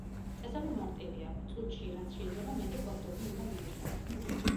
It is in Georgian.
წესები მარტივია, – წუთში, რაც შეიძლება მეტი ჰოთ-დოგი უნდა მიირთვათ.